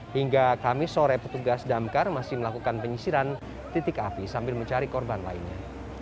hingga kamis sore petugas damkar masih melakukan penyisiran titik api sambil mencari korban lainnya